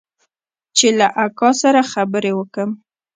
چې له اکا سره خبرې وکم.